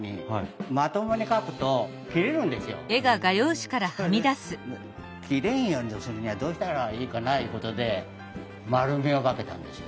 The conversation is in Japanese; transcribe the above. それで切れんようにするにはどうしたらいいかないうことで円みをかけたんですよ。